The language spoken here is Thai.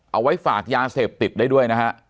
เอาไว้ฝากยาเสพติดได้ด้วยนะฮะ